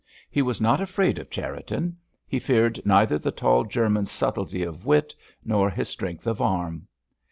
He was not afraid of Cherriton; he feared neither the tall German's subtlety of wit, nor his strength of arm.